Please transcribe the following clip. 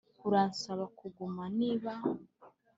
uransaba kuguma, niba